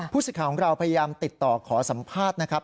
สิทธิ์ของเราพยายามติดต่อขอสัมภาษณ์นะครับ